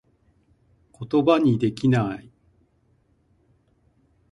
ことばにできなぁい